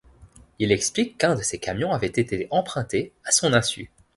Il explique qu'un de ses camions avait été emprunté à son insu.